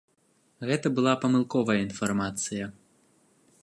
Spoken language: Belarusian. Гэта была памылковая інфармацыя.